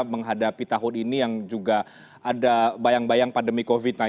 menghadapi tahun ini yang juga ada bayang bayang pandemi covid sembilan belas